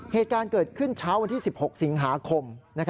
เหตุการณ์เกิดขึ้นเช้าวันที่๑๖สิงหาคม